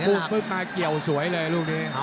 ปุ๊บมาเกี่ยวสวยเลยลูกนี้